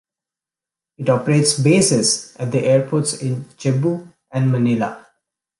It operates bases at the airports in Cebu and Manila.